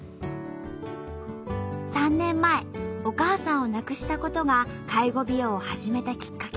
３年前お母さんを亡くしたことが介護美容を始めたきっかけ。